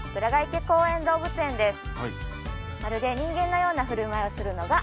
池公園動物園です